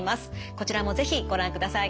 こちらも是非ご覧ください。